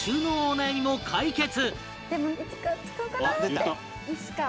お悩みも解決！